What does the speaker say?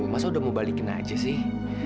masa udah mau balikin aja sih